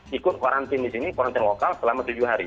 bahkan bisa ikut kuarantin di sini kuarantin lokal selama tujuh hari